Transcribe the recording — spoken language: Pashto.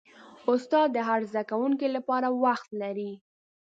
استاد د هر زده کوونکي لپاره وخت لري.